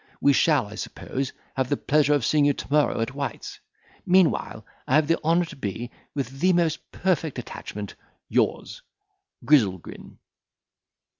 we shall, I suppose, have the pleasure of seeing you to morrow at White's: meanwhile, I have the honour to be, with the most perfect attachment, yours, GRIZZLEGRIN."